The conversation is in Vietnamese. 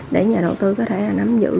để nhà đầu tư có thể nắm giữ